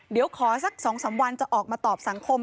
เดี๋ยวขอสัก๒๓วันจะออกมาตอบสังคม